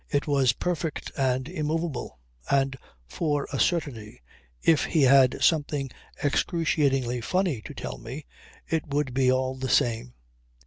It was perfect and immovable; and for a certainty if he had something excruciatingly funny to tell me it would be all the same.